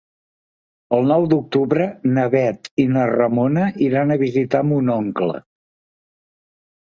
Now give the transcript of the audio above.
El nou d'octubre na Bet i na Ramona iran a visitar mon oncle.